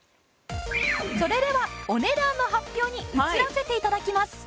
それではお値段の発表に移らせて頂きます。